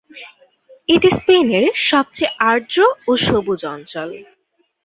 এটি স্পেনের সবচেয়ে আর্দ্র ও সবুজ অঞ্চল।